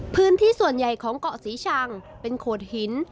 พื้นที่ส่วนใหญ่ของเกาะศรีชังเป็นโขดหิน